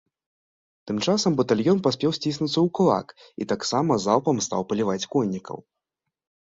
Тым часам батальён паспеў сціснуцца ў кулак і таксама залпам стаў паліваць коннікаў.